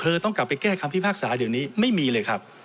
ต้องกลับไปแก้คำพิพากษาเดี๋ยวนี้ไม่มีเลยครับ